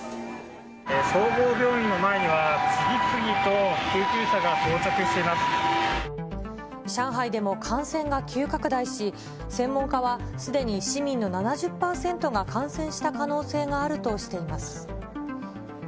総合病院の前には、次々と救上海でも感染が急拡大し、専門家は、すでに市民の７０％が感染した可能性があるとしています。